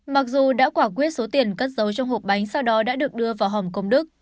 mặc dù đã quả quyết số tiền cất giấu trong hộp bánh sau đó đã được đưa vào hòm công đức